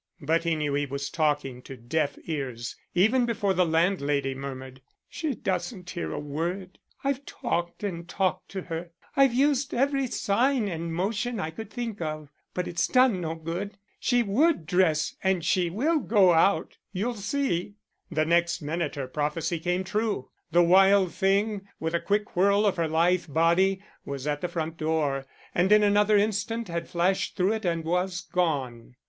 But he knew he was talking to deaf ears even before the landlady murmured: "She doesn't hear a word. I've talked and talked to her. I've used every sign and motion I could think of, but it's done no good. She would dress and she will go out; you'll see." The next minute her prophecy came true; the wild thing, with a quick whirl of her lithe body, was at the front door, and in another instant had flashed through it and was gone.